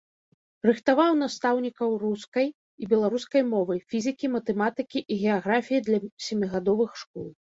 Рыхтаваў настаўнікаў рускай і беларускай мовы, фізікі, матэматыкі і геаграфіі для сямігадовых школ.